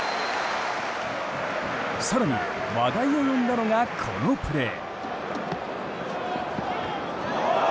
更に、話題を呼んだのがこのプレー。